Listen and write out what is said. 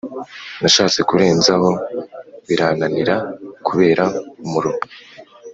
Nashatse kurenzaho birananira kubera umuruho